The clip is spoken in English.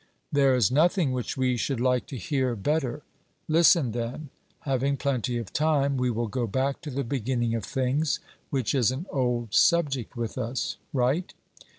'There is nothing which we should like to hear better.' Listen, then; having plenty of time, we will go back to the beginning of things, which is an old subject with us. 'Right.'